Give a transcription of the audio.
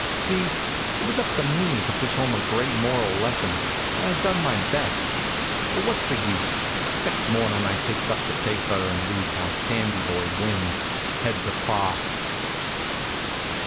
See? It was up to me to push home a great moral lesson, and I done my best. But what's the use? Next mornin' I takes up the paper and reads how Candy Boy wins, heads apart.